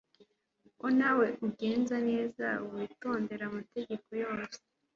ko nawe ugenza neza witondera amategeko yose